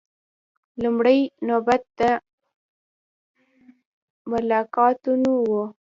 لومړۍ نوبت د ملاقاتونو و.